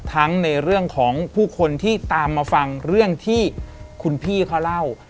ในเรื่องของผู้คนที่ตามมาฟังเรื่องที่คุณพี่เขาเล่า